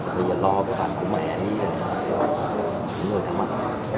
bây giờ lo với phần của mẹ những người thể mặt